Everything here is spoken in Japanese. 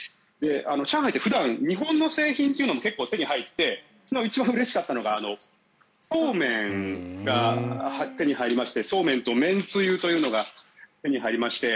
上海って普段日本の製品というのも結構、手に入って一番うれしかったのがそうめんが手に入りましてそうめんと、めんつゆというのが手に入りまして。